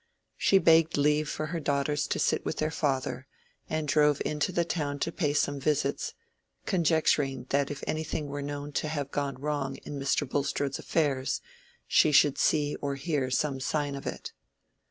She begged leave for her daughters to sit with their father, and drove into the town to pay some visits, conjecturing that if anything were known to have gone wrong in Mr. Bulstrode's affairs, she should see or hear some sign of it.